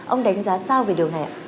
ông đánh giá sao về điều này ạ